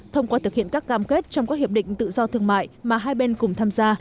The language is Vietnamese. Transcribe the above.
thông qua thực hiện các cam kết trong các hiệp định tự do thương mại mà hai bên cùng tham gia